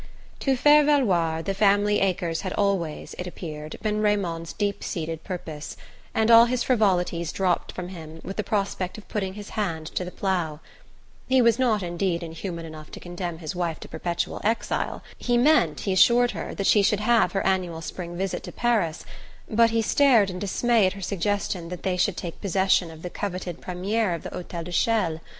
To faire valoir the family acres had always, it appeared, been Raymond's deepest seated purpose, and all his frivolities dropped from him with the prospect of putting his hand to the plough. He was not, indeed, inhuman enough to condemn his wife to perpetual exile. He meant, he assured her, that she should have her annual spring visit to Paris but he stared in dismay at her suggestion that they should take possession of the coveted premier of the Hotel de Chelles.